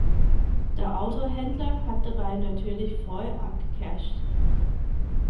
Der Autohändler hat dabei natürlich voll abgecasht.